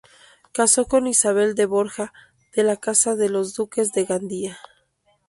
Casó con Isabel de Borja de la casa de los Duques de Gandía.